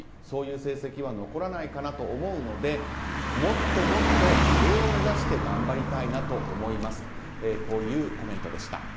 そういう成績は残らないかなと思うのでもっともっと上を目指して頑張りたいなと思いますというコメントでした。